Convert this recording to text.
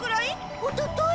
おととい？